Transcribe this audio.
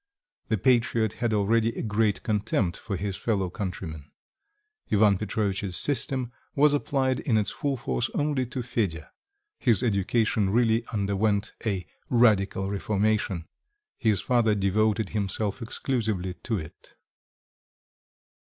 The patriot had already a great contempt for his fellow countrymen. Ivan Petrovitch's system was applied in its full force only to Fedya; his education really underwent a "radical reformation;" his father devoted himself exclusively to it.